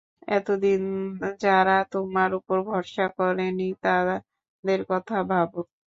এতদিন যারা তোমার ওপর ভরসা করেনি, তাদের কথা ভাবো।